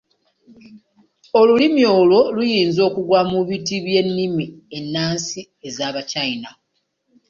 Olulimi olwo luyinza okugwa mu biti by'ennimi ennansi ez'abachina.